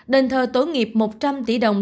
đền thờ tổ nghiệp một trăm linh tỷ đồng